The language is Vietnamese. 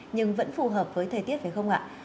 nhưng vẫn phù hợp với thời tiết phải không ạ